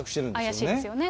怪しいですよね。